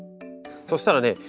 そしたらね